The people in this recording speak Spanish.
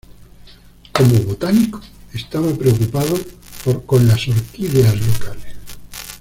Como botánico estaba preocupado con las orquídeas locales.